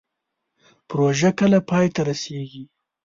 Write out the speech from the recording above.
پروژه کله پای ته رسیږي؟